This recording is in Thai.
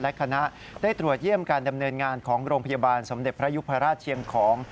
และคณะได้ตรวจเยี่ยมการดำเนินงานของโรงพยาบาลสมเด็จพระยุพราชเชียงของ